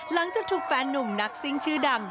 หลังจากถูกแฟนนุ่มนักซิ่งชื่อดัง